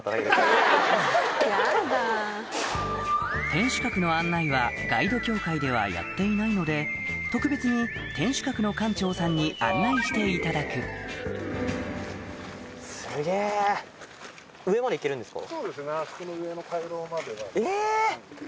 天守閣の案内はガイド協会ではやっていないので特別に天守閣の館長さんに案内していただくえ！って言い方をするんですよ。